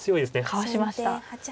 かわしました。